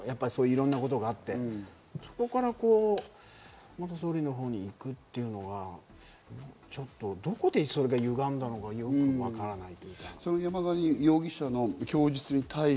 いろんなことがあってそこから元総理のほうに行くっていうのが、ちょっとどこでそれが歪んだのかよくわからない。